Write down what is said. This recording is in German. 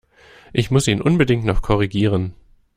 Ich muss ihn unbedingt noch korrigieren!